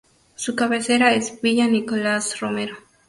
Su cabecera es Villa Nicolás Romero.